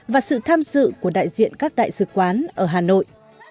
và sự tham dự của đại diện các đại sứ quán ở hà nội